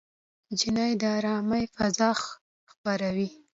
نجلۍ د ارامۍ فضا خپروي.